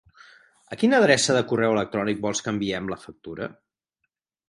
A quina adreça de correu electrònic vols que enviem la factura?